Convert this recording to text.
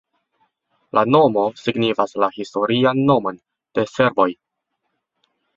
La nomo signifas la historian nomon de serboj.